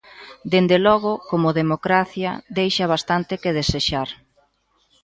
Dende logo, como democracia deixa bastante que desexar.